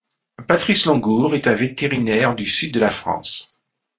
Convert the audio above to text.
Patrice Longour est un vétérinaire du sud de la France.